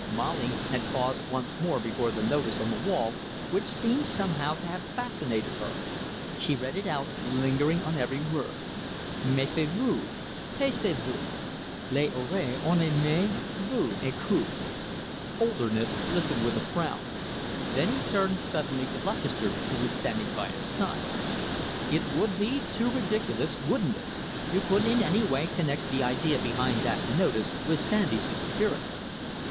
Molly had paused once more before the notice on the wall, which seemed somehow to have fascinated her. She read it out, lingering on every word: MEFIEZ VOUS! TAISEZ VOUS! LES OREILLES ENNEMIES VOUS ECOUTENT! Holderness listened with a frown. Then he turned suddenly to Lutchester, who was standing by his side. "It would be too ridiculous, wouldn't it you couldn't in any way connect the idea behind that notice with Sandy's disappearance?"